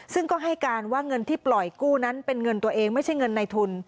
ซึ่งก็ให้การว่าเงินที่ปล่อยกู้นั้นเป็นเงินตัวเองไม่ใช่เงินในทุน